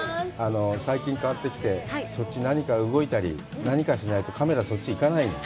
最近、変わってきて、そっち、何か動いたり、何かしないとカメラそっちに行かないよ。